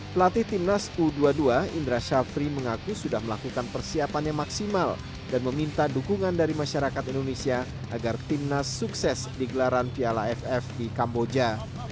pelatih timnas u dua puluh dua indra syafri mengaku sudah melakukan persiapannya maksimal dan meminta dukungan dari masyarakat indonesia agar timnas sukses di gelaran piala ff di kamboja